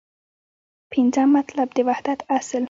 پنځم مطلب : د وحدت اصل